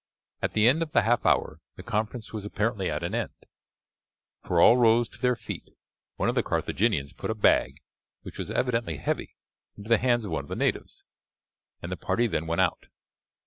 At the end of the half hour the conference was apparently at an end, for all rose to their feet. One of the Carthaginians put a bag, which was evidently heavy, into the hands of one of the natives, and the party then went out.